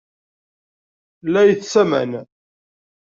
La itess aman.